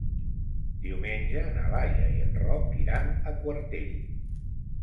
Diumenge na Laia i en Roc iran a Quartell.